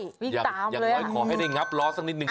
อย่างน้อยขอให้ได้งับล้อสักนิดหนึ่ง